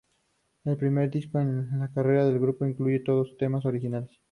Es el primer disco en la carrera del grupo en incluir todos temas originales.